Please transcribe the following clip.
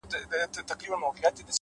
پوه انسان د حقیقت پر لور روان وي’